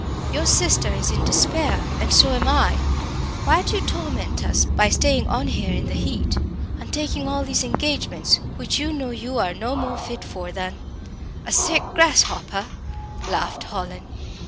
Your sister is in despair, and so am I. Why do you torment us by staying on here in the heat, and taking all these engagements, which you know you are no more fit for than " "A sick grasshopper," laughed Hallin.